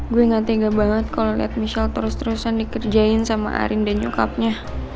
gue gak tega banget kalo liat michelle terus terusan dikerjain sama arin dan nyokapnya